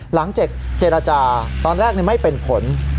หลังจากเจรจาตอนแรกไม่เป็นผล